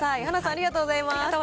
ありがとうございます。